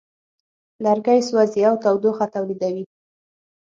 لرګی سوځي او تودوخه تولیدوي.